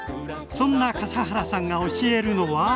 そんな笠原さんが教えるのは？